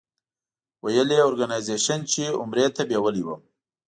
ویل یې اورګنایزیش چې عمرې ته بېولې وم.